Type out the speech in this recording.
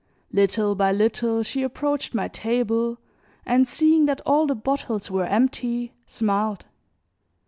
Little by little she approached my table, and seeing that all the bottles were empty, smiled.